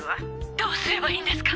「どうすればいいんですか？」